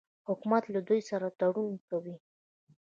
حکومت له دوی سره تړونونه کوي.